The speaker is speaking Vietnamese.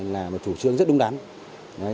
là một chủ trương rất đúng đắn